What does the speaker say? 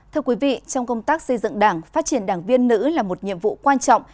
thưa quý vị trong công tác xây dựng đảng phát triển đảng viên nữ là một nhiệm vụ quan trọng